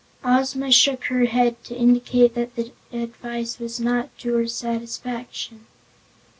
Ozma shook her head, to indicate that the advice was not to her satisfaction.